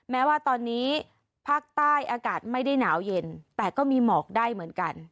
แม้ว่าตอนนี้ภาคใต้อากาศไม่ได้หนาวเย็นแต่ก็มีหมอกได้เหมือนกัน